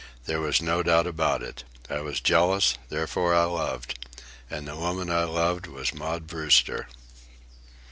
There was no doubt about it. I was jealous; therefore I loved. And the woman I loved was Maud Brewster.